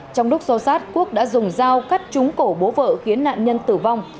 trong đúc so sát quốc đã dùng dao cắt trúng cổ bố vợ khiến nạn nhân tử vong